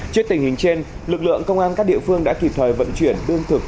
trước tình hình trên lực lượng công an các địa phương đã kịp thời vận chuyển lương thực